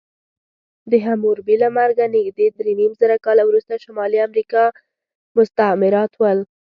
د حموربي له مرګه نږدې درېنیمزره کاله وروسته شمالي امریکا مستعمرات ول.